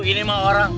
ini mah orang